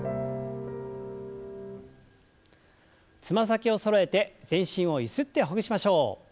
つま先をそろえて全身をゆすってほぐしましょう。